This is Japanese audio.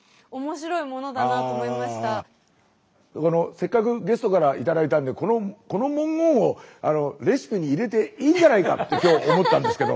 せっかくゲストから頂いたんでこのこの文言をレシピに入れていいんじゃないかって今日思ったんですけど。